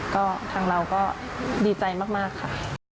ก็ทางเราก็ดีใจมากค่ะ